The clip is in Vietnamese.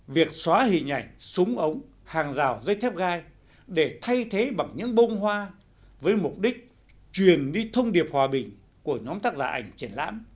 việc xóa hình ảnh súng ống hàng rào dây thép gai để thay thế bằng những bông hoa với mục đích truyền đi thông điệp hòa bình của nhóm tác giả ảnh triển lãm